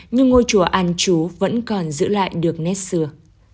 nhưng ngôi chùa an chú vẫn còn giữ lại được nét xưa